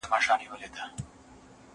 زه اوس کتابونه ليکم!.!.